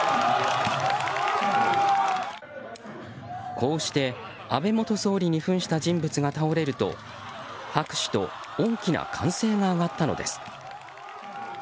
こうして安倍元総理に扮した人物が倒れると拍手と大きな歓声が上がったのです。